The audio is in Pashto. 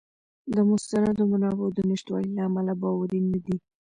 د مستندو منابعو د نشتوالي له امله باوری نه دی.